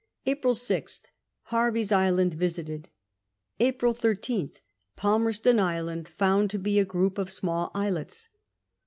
April 6th. Hervey's Island visited. April IStJi. Palmerston Island found to be a group of small islets.